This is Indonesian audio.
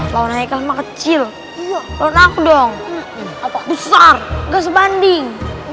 kecil kecil dong besar gas banding